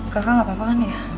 kakak gak apa apa kan ya